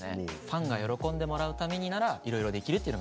ファンが喜んでもらうためにならいろいろできるってのが軸みたいな。